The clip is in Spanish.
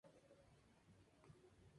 Equipo Reserva